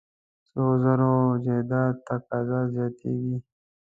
سرو زرو جایداد تقاضا زیاتېږي.